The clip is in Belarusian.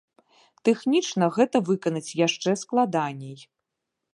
Тэхнічна гэта выканаць яшчэ складаней.